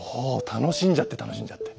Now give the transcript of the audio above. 楽しんじゃって楽しんじゃって。